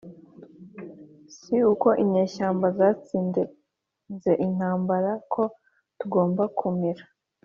si uko inyeshyamba zatsinze intambara ko tugomba kumira